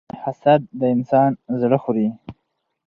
حسد د انسان زړه خوري.